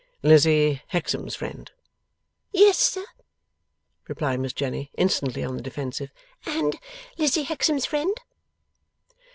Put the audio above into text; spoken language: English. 'Lizzie Hexam's friend?' 'Yes, sir,' replied Miss Jenny, instantly on the defensive. 'And Lizzie Hexam's friend.